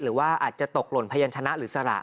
หรือว่าอาจจะตกหล่นพยานชนะหรือสระ